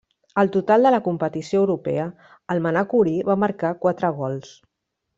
Al total de la competició europea el manacorí va marcar quatre gols.